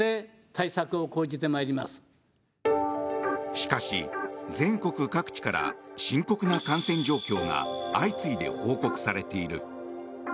しかし、全国各地から深刻な感染状況が相次いで報告されている。